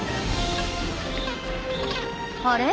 あれ？